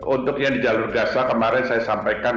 untuk yang di jalur gaza kemarin saya sampaikan